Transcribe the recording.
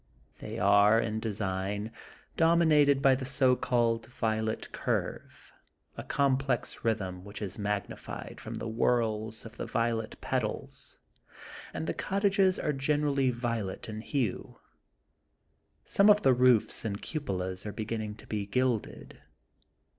They are, in design, dominated by the so called Violet Curve,*' a complex rhythm, which is magnified from the whorls of the violet petals, and the cottages are generally violet in hue. Some of the roofs and cupolas are beginning to be gilded.